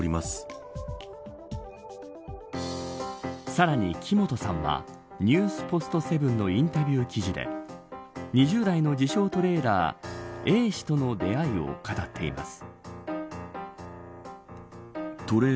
さらに木本さんはＮＥＷＳポストセブンのインタビュー記事で２０代の自称トレーダーＡ氏との出会いを語っています。